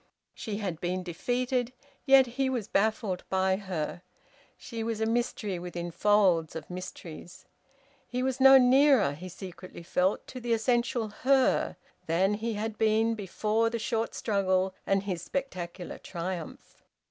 She had been defeated, yet he was baffled by her. She was a mystery within folds of mysteries. He was no nearer he secretly felt to the essential Her than he had been before the short struggle and his spectacular triumph.